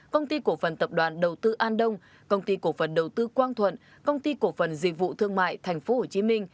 công ty cổ phần tập đoàn đầu tư an đông công ty cổ phần đầu tư quang thuận công ty cổ phần dịch vụ thương mại tp hcm